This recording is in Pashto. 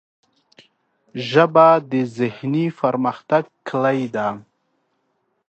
ژبه د ذهني پرمختګ کلۍ ده